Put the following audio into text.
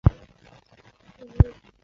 金山寺舍利塔的历史年代为元代。